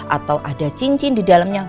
atau ada cincin di dalamnya